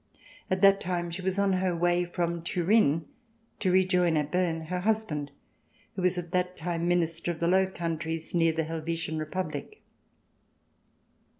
At that time she was on her way from Turin to rejoin at Berne her husband who was at that time Minister of the Low Countries near the Helvetian Republic.